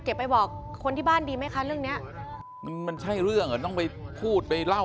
เก็บไปบอกคนที่บ้านดีไม่คะเรื่องนี้มันใช่เรื่องอ่ะจริงไปพูดไปเล่า